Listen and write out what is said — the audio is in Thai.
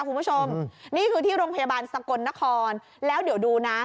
คุณผู้ชมนี่คือที่โรงพยาบาลสกลนครแล้วเดี๋ยวดูนะ